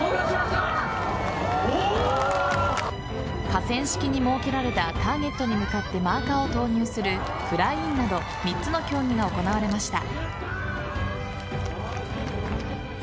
河川敷に設けられたターゲットに向かってマーカーを投入するフライ・インなど３つの競技が行われました。